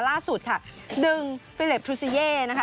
ล่าสุดค่ะดึงฟิเลปทรูซิเย่นะคะ